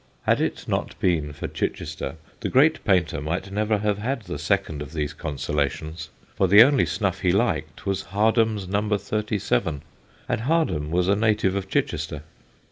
Had it not been for Chichester the great painter might never have had the second of these consolations, for the only snuff he liked was Hardham's No. 37, and Hardham was a native of Chichester.